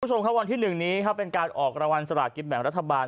ทุกชมค่ะวันที่๑นี้เป็นการออกราวรรณสละกิจแหม่งรัฐบาล